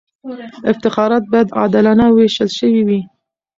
افتخارات به عادلانه وېشل سوي وي.